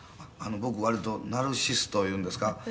「僕割とナルシストいうんですか？」